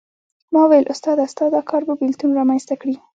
ما وویل استاده ستا دا کار به بېلتون رامېنځته کړي.